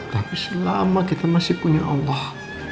tapi selama kita masih punya allah